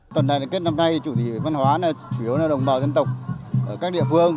tuần đại đến kết năm nay chủ thể văn hóa chủ yếu là đồng bào dân tộc ở các địa phương